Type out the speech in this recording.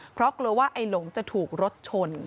เพราะกลัวว่าไอ้หลงจะถูกรถชน